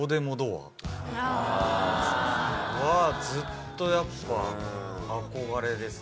ずっとやっぱ憧れですね。